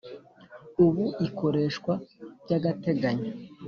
Ubu ikoreshwa by agateganyo